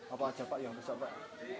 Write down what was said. apa aja pak yang besar pak